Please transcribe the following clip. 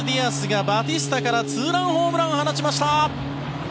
エリアス・ディアスがバティスタからツーランホームランを放ちました。